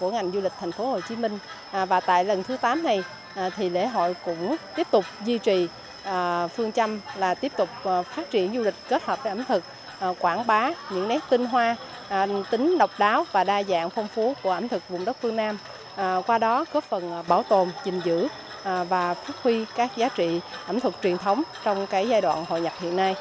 các làng nghề thủ công có phần bảo tồn dình dữ và phức huy các giá trị ẩm thực truyền thống trong giai đoạn hội nhập hiện nay